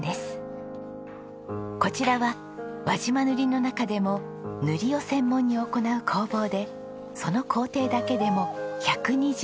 こちらは輪島塗の中でも塗りを専門に行う工房でその工程だけでも１２０以上！